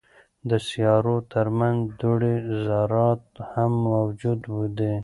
د سیارو ترمنځ دوړې ذرات هم موجود دي.